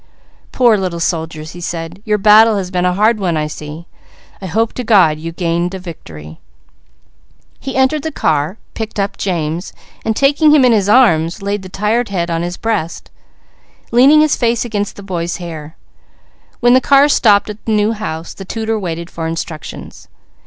"Poor little soldiers," he said. "Your battle has been a hard one I see. I hope to God you gained a victory." He entered the car, picked up James and taking him in his arms laid the tired head on his breast, leaning his face against the boy's hair. When the car stopped at the new house, the tutor waited for instructions.